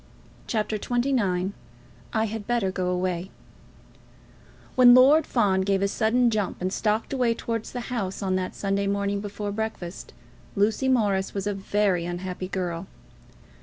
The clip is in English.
CHAPTER XXIX "I Had Better Go Away" When Lord Fawn gave a sudden jump and stalked away towards the house on that Sunday morning before breakfast, Lucy Morris was a very unhappy girl.